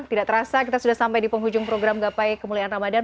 tidak terasa kita sudah sampai di penghujung program gapai kemuliaan ramadhan